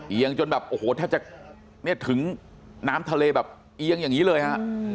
จนแบบโอ้โหแทบจะเนี่ยถึงน้ำทะเลแบบเอียงอย่างนี้เลยฮะ